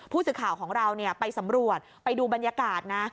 ผู้สื่อข่าวของเราไปสำรวจไปดูบรรยากาศนะ